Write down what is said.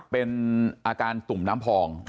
เป็นอาการตุ่มน้ำพอง